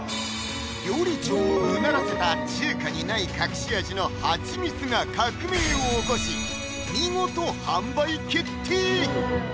料理長をうならせた中華にない隠し味のハチミツが革命を起こし見事販売決定